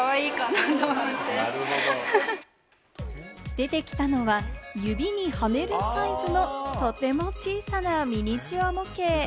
出てきたのは、指にはめるサイズの、とても小さなミニチュア模型。